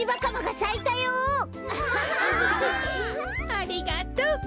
ありがとう。